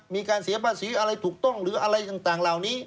มีการเสียภาษีอะไรถูกต้องหรืออะไรต่างเหล่านี้